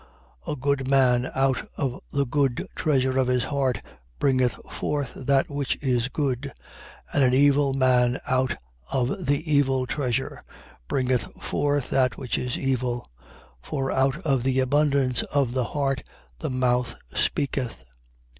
6:45. A good man out of the good treasure of his heart bringeth forth that which is good: and an evil man out of the evil treasure bringeth forth that which is evil. For out of the abundance of the heart the mouth speaketh.